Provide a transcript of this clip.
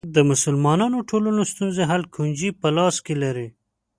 د مسلمانو ټولنو ستونزو حل کونجي په لاس کې لري.